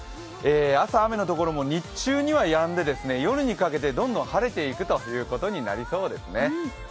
朝、雨のところも日中にはやんで、夜にかけて、どんどん晴れていくことになりそうですね。